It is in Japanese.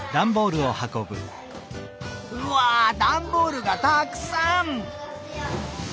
うわダンボールがたくさん！